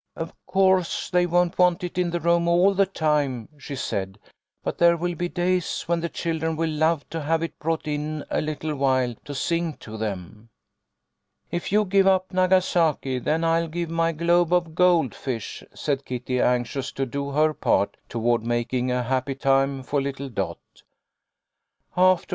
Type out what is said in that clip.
" Of course they won't want it in the room all the time," she said, "but there will be days when the children will love to have it brought in a little while to sing to them." " If you give up Nagasaki then I'll give my globe of goldfish," said Kitty, anxious to do her part toward making a happy time for little Dot. " After LLOYD MAKES A DISCOVERY.